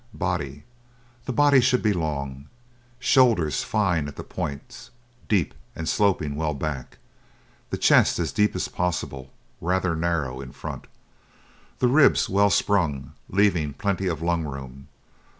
BODY The body should be long. Shoulders fine at the points, deep and sloping well back. The chest as deep as possible, rather narrow in front. The ribs well sprung, leaving plenty of lung room.